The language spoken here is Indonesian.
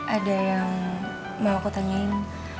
ada yang mau aku tanyain